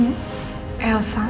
dulu itu waktu nino memperhatikan kamu